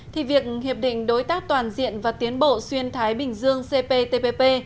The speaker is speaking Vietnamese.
thì việc hiệp định đối tác toàn diện và tiến bộ xuyên thái bình dương cptpp